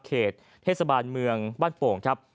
เขตเทศบาลเมืองบ้านโป่งครับ